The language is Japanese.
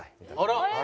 あら！